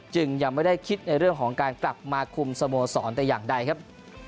ยังไม่ได้คิดในเรื่องของการกลับมาคุมสโมสรแต่อย่างใดครับ